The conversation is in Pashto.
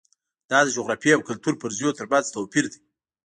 دا د جغرافیې او کلتور فرضیو ترمنځ توپیر دی.